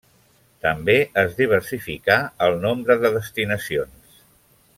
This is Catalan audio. També es diversificà el nombre de destinacions.